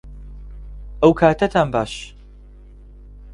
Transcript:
ئەوکاتەتان باش